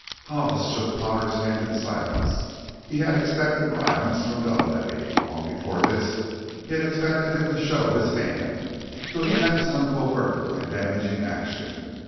Hollis shook Potter's hand in silence. He had expected violence from Dunlavey; long before this he had expected him to show his hand, to attempt some covert and damaging action.